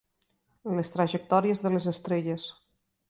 Les trajectòries de les estrelles.